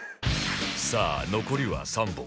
さあ残りは３本